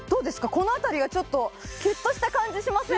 この辺りがちょっとキュッとした感じしません？